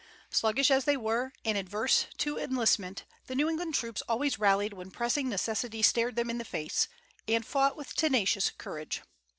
Sluggish as they were, and averse to enlistment, the New England troops always rallied when pressing necessity stared them in the face, and fought with tenacious courage.